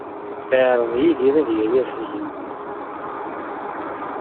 Iɛreḍ Yidir ad yali ɣef tzemmurt.